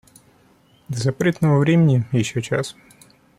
До запретного времени еще час.